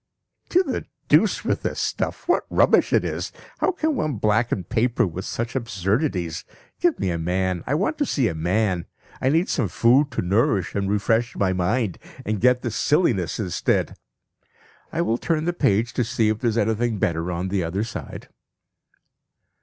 (To the deuce with the stuff! What rubbish it is! How can one blacken paper with such absurdities. Give me a man. I want to see a man! I need some food to nourish and refresh my mind, and get this silliness instead. I will turn the page to see if there is anything better on the other side.)